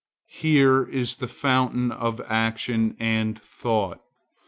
Here is the fountain of action and of thought.